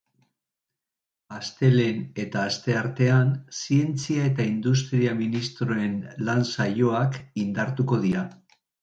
Astelehen eta asteartean zientzia eta industria ministroen lan saioak indartuko dira.